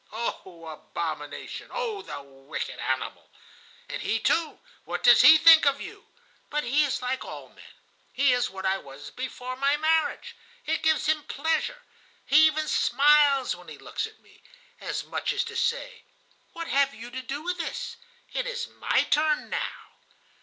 Oh, abomination! Oh, the wicked animal! And he too, what does he think of you? But he is like all men. He is what I was before my marriage. It gives him pleasure. He even smiles when he looks at me, as much as to say: 'What have you to do with this? It is my turn now.